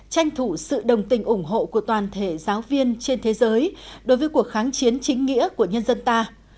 tranh thủ sự đồng tình ủng hộ của toàn thể giáo viên trên thế giới đối với cuộc kháng chiến chính nghĩa của nhân dân ta